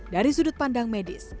dari sudut pandang medis